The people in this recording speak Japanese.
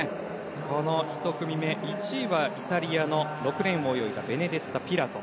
この１組目、１位はイタリアの６レーンを泳いだベネデッタ・ピラト。